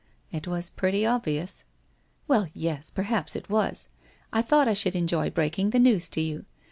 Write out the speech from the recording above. '' It was pretty obvious/ ' Well, yes, perhaps it was. I thought I should enjoy breaking the news to you.